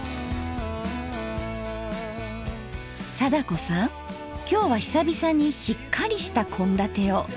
貞子さん今日は久々にしっかりした献立を。